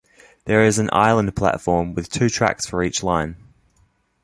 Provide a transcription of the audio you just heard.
There is an island platform with two tracks for each line.